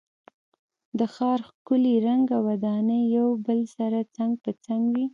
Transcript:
د ښار ښکلی رنګه ودانۍ یو بل سره څنګ په څنګ وې.